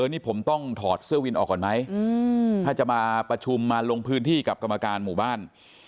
นี่ผมต้องถอดเสื้อวินออกก่อนไหมถ้าจะมาประชุมมาลงพื้นที่กับกรรมการหมู่บ้าน